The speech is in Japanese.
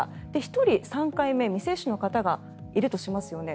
１人、３回目未接種の方がいるとしますよね。